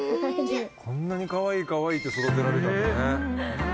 こんなにかわいいかわいいって育てられたんだね。